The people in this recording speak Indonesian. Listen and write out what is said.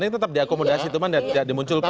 ini tetap diakomodasi teman dan tidak dimunculkan